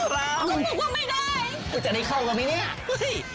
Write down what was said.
บอกว่าไม่ได้กูจะได้เข้ากันไหมเนี่ย